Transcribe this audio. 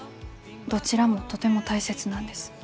どちらもとても大切なんです。